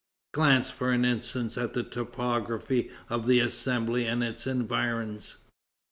Glance for an instant at the topography of the Assembly and its environs.